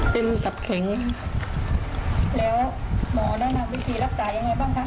เป็นตัดแข็งแล้วหมอนางวิภีรักษายังไงบ้างคะ